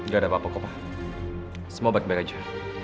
gak ada apa apa kok pak semua baik baik aja